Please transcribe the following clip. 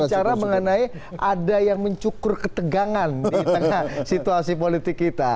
bicara mengenai ada yang mencukur ketegangan di tengah situasi politik kita